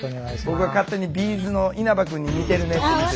僕が勝手にＢ’ｚの稲葉くんに似てるねって言ってる。